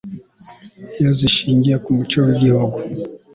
iyo zishingiye ku muco w'igihugu